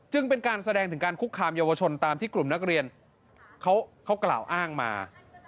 เป็นการแสดงถึงการคุกคามเยาวชนตามที่กลุ่มนักเรียนเขากล่าวอ้างมา